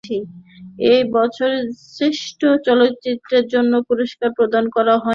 এই বছর শ্রেষ্ঠ চলচ্চিত্রের জন্য পুরস্কার প্রদান করা হয়নি।